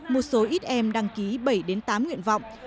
một số ít em đăng ký bảy tám nguyện vọng